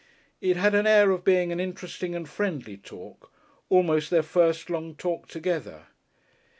It had an air of being an interesting and friendly talk, almost their first long talk together.